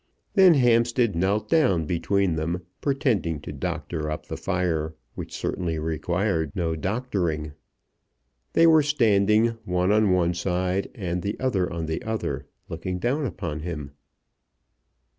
Then Hampstead knelt down between them, pretending to doctor up the fire, which certainly required no doctoring. They were standing, one on one side and the other on the other, looking down upon him.